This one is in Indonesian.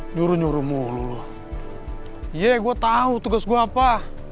nyuruh nyuruh mulu gue iya gue tahu tugas gua apa